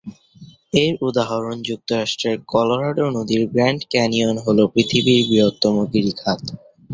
এর উদাহরণ যুক্তরাষ্ট্রের কলোরাডো নদীর গ্র্যান্ড ক্যানিয়ন হল পৃথিবীর বৃহত্তম গিরিখাত।